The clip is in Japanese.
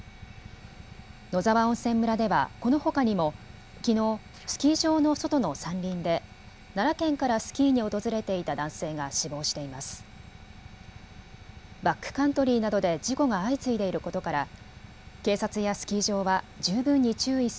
野沢温泉村ではこのほかにもきのうスキー場の外の山林で奈良県からスキーに訪れていた男性が死亡しています。